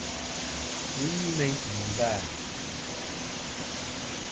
Ghɨ ni meyn tùm vâ.